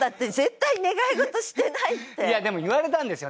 いやでも言われたんですよ